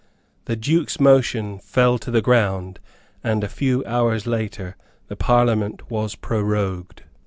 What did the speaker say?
The Duke's motion fell to the ground; and a few hours later the Parliament was prorogued.